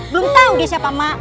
belum tau dia siapa